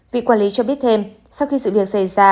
vị quản lý cho biết thêm sau khi sự việc xảy ra